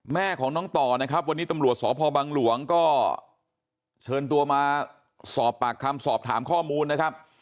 แม่ของน้องต่อนะครับวันนี้ตำรวจสพบังหลวงก็เชิญตัวมาสอบปากคำสอบถามข้อมูลนะครับ